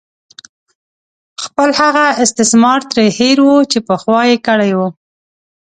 خپل هغه استثمار ترې هېر وو چې پخوا یې کړې وه.